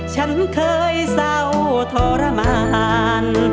ฉันเคยเศร้าทรมาน